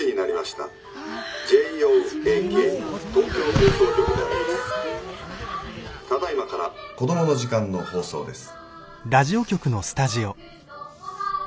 ただいまから「コドモの時間」の放送です。